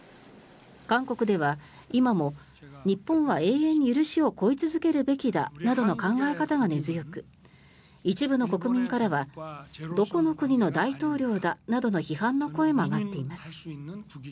韓国では今も、日本は永遠に許しを請い続けるべきだなどの考え方が根強く一部の国民からはどこの国の大統領などの批判の声も上がっています。